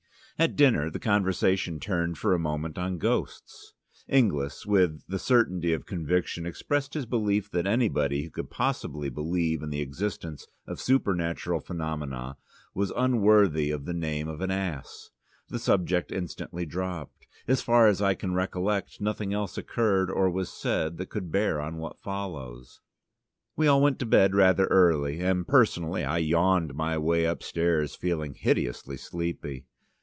At dinner the conversation turned for a moment on ghosts. Inglis, with the certainty of conviction, expressed his belief that anybody who could possibly believe in the existence of supernatural phenomena was unworthy of the name of an ass. The subject instantly dropped. As far as I can recollect, nothing else occurred or was said that could bear on what follows. We all went to bed rather early, and personally I yawned my way upstairs, feeling hideously sleepy.